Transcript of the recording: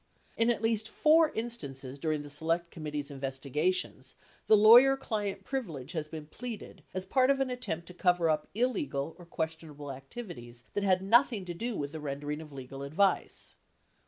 In at least four instances during the Select Committee's investiga tions, the lawyer client privilege has been pleaded as part of an attempt to cover up illegal or questionable activities that had nothing to do with the rendering of legal advice : 1.